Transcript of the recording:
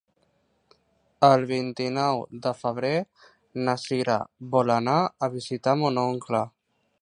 El vint-i-nou de febrer na Sira vol anar a visitar mon oncle.